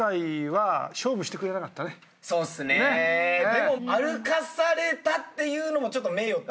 でも歩かされたっていうのも名誉っていうか。